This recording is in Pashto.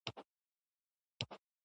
جلګه د افغانستان د سیاسي جغرافیه برخه ده.